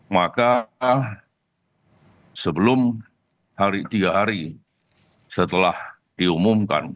maka sebelum hari tiga hari setelah diumumkan